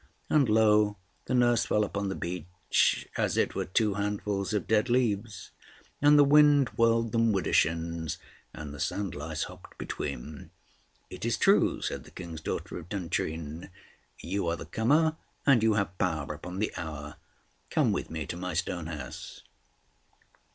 And, lo! the nurse fell upon the beach as it were two handfuls of dead leaves, and the wind whirled them widdershins, and the sand lice hopped between. "It is true," said the King's daughter of Duntrine, "you are the comer, and you have power upon the hour. Come with me to my stone house."